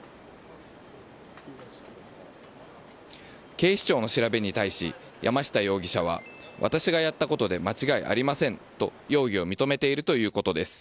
警視庁の調べに対し山下容疑者は私がやったことに間違いありませんと容疑を認めているということです。